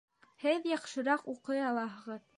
Һеҙ яҡшыраҡ уҡый алаһығыҙ